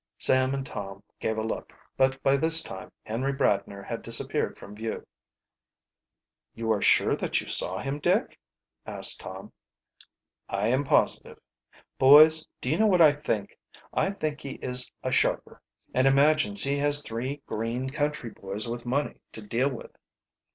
Sam and Tom gave a look, but by this time Henry Bradner had disappeared from view. "You are sure that you saw him, Dick?" asked Sam. "I am positive. Boys, do you know what I think? I think he is a sharper, and imagines he has three green country boys with money to deal with."